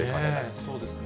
そうですね。